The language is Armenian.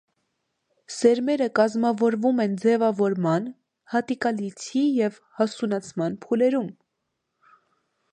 Սերմերը կազմավորվում են ձևավորման, հատիկալիցի և հասունացման փուլերում։